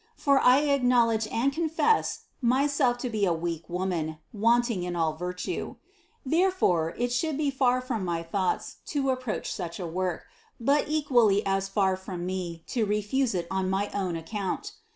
For I acknowledge and confess myself to be a weak woman, wanting in all virtue; therefore, it should be far from my thoughts to approach such a work, but equally as far from me to refuse it on my own account.